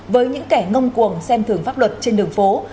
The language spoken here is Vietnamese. với những kẻ ngông cuồng xem thường pháp luật trên đường phố